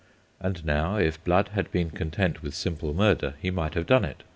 And now, if Blood had been content with simple murder he might have done it.